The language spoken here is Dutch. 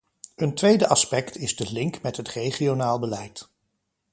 Een tweede aspect is de link met het regionaal beleid.